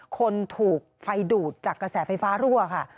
คนถูกไฟดูดจากกระแสไฟฟ้ารั่วค่ะ